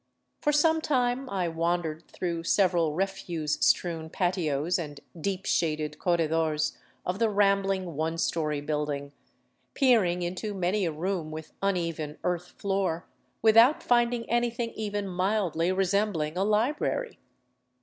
For some time I wandered through several refuse strewn patios and deep shaded corredors of the rambling, one story building, peering into many a room with uneven earth floor, without finding anything even mildly resembling a library.